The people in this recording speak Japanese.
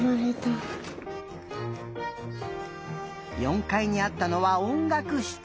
４かいにあったのはおんがくしつ。